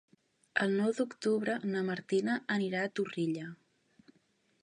El nou d'octubre na Martina anirà a Torrella.